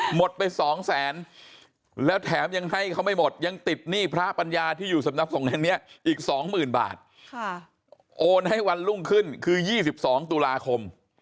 หมดไป๒แสนแล้วแถมยังให้เขาไม่หมดยังติดหนี้พระปัญญาที่อยู่สำนักสงฆ์แห่งนี้อีก๒๐๐๐บาทโอนให้วันรุ่งขึ้นคือ๒๒ตุลาคม